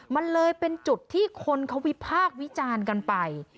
มันเลยเป็นจุดที่คนเขาวิพากษ์วิจารณ์กันไป